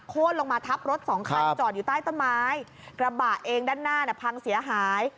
ลงมาทับรถสองคันจอดอยู่ใต้ต้นไม้กระบะเองด้านหน้าน่ะพังเสียหาย